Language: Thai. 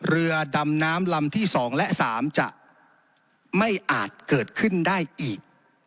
เรือดำน้ำลำที่๒และ๓จะไม่อาจเกิดขึ้นได้อีก